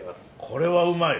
これはうまい！